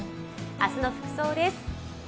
明日の服装です。